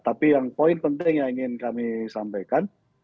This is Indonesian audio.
tapi yang poin penting yang ingin kami sampaikan